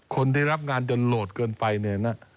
คนที่รับงานจนโหลดเกินไปเนี่ยนะ